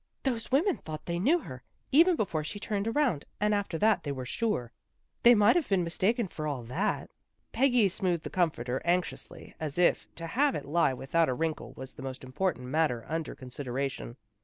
" Those women thought they knew her, even before she turned around, and after that they were sure." " They might have been mistaken for all that." Peggy smoothed the comforter anx iously, as if to have it he without a wrinkle was the most important matter under consideration.